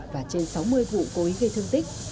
và trên sáu mươi vụ cố ý gây thương tích